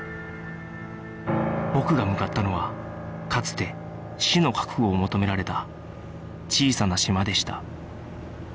僕が向かったのはかつて死の覚悟を求められた小さな島でした